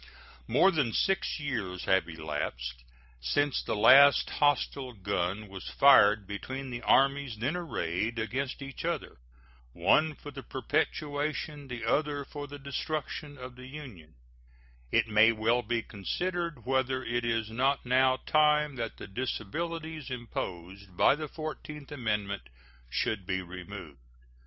More than six years having elapsed since the last hostile gun was fired between the armies then arrayed against each other one for the perpetuation, the other for the destruction, of the Union it may well be considered whether it is not now time that the disabilities imposed by the fourteenth amendment should be removed.